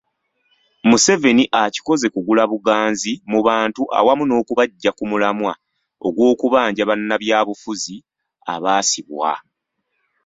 Museveni akikoze kugula buganzi mu bantu awamu n’okubaggya ku mulamwa gw’okubanja bannabyabufuzi abaasibwa.